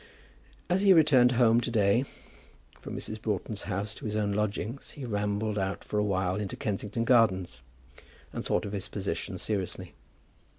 As he returned home to day from Mrs. Broughton's house to his own lodgings he rambled out for a while into Kensington Gardens, and thought of his position seriously.